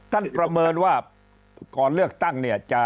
ประเมินว่าก่อนเลือกตั้งเนี่ย